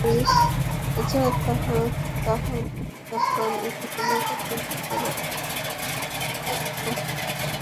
এছাড়া আহলি কিতাবগণ এই ঘটনাকে কেন্দ্র করে অনেক অদ্ভুত মিথ্যা উপাখ্যান সৃষ্টি করেছে।